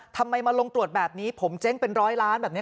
ทำไมมาลงตรวจแบบนี้ผมเจ๊งเป็นร้อยล้านแบบนี้